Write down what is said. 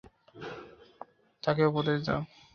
তাকে উপদেশ দাও।